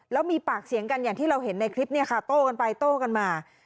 แล้วมีปากเสียงกันอย่างที่เราเห็นในคลิปเนี่ยค่ะโต้กันไปโต้กันมา